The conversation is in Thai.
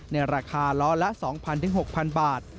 ในราคาล้อละ๒๐๐๖๐๐บาท